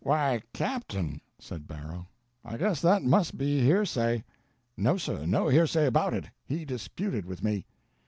"Why captain!" said Barrow. "I guess that must be hearsay." "No, sir, no hearsay about it—he disputed with me."